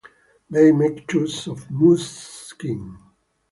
They make shoes of moose skin.